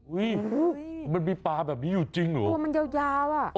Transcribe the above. อุ๊ยมันมีปลาแบบนี้อยู่จริงหรือโอ้มันยาวอ่ะ